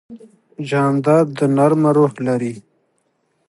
جانداد د نرمه روح لري.